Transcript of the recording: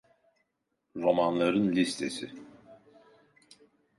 Romanların listesi.